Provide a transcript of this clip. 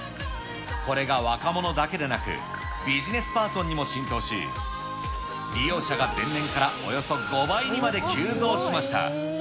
これが若者だけでなく、ビジネスパーソンにも浸透し、利用者が前年からおよそ５倍にまで急増しました。